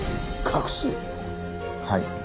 はい。